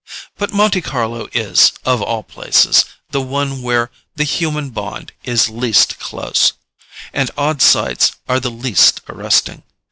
But Monte Carlo is, of all places, the one where the human bond is least close, and odd sights are the least arresting.